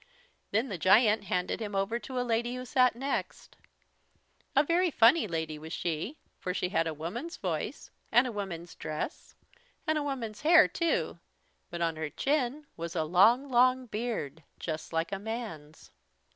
Then the giant handed him over to a lady who sat next. A very funny lady was she, for she had a woman's voice and a woman's dress and a woman's hair, too, but on her chin was a long, long beard, just like a man's.